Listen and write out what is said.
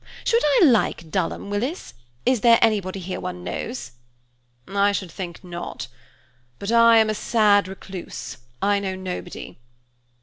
"Should I like Dulham, Willis? Is there anybody here one knows?" "I should think not. But I am a sad recluse, I know nobody!"